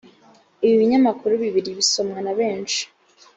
ibi binyamakuru bibiri bisomwa na benshi